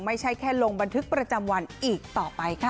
ไม่ใช่แค่ลงบันทึกประจำวันอีกต่อไปค่ะ